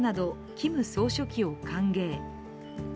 キム総書記を歓迎。